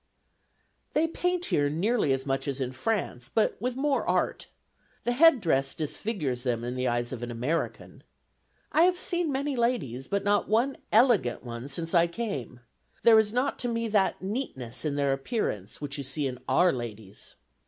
They paint here nearly as much as in France, but with more art. The head dress disfigures them in the eye of an American. I have seen many ladies, but not one elegant one since I came; there is not to me that neatness in their appearance, which you see in our ladies.